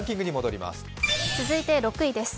続いて６位です。